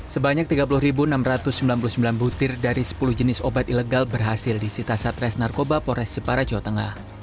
sebanyak tiga puluh enam ratus sembilan puluh sembilan butir dari sepuluh jenis obat ilegal berhasil disita satres narkoba pores jepara jawa tengah